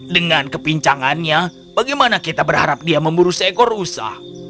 dengan kepincangannya bagaimana kita berharap dia memburu seekor usa